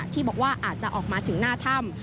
ที่บอกว่าอาจจะออกมาถึงหน้าถ้ำ